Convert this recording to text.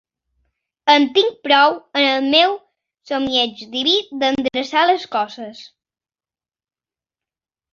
En tinc prou, en el meu somieig diví, d'endreçar les coses.